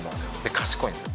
賢いんですよ。